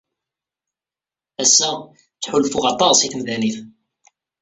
Ass-a, ttḥulfuɣ aṭas i temdanit.